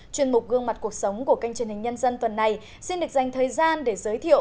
chuyên mục gương mặt cuộc sống của kênh truyền hình nhân dân tuần này xin được dành thời gian để giới thiệu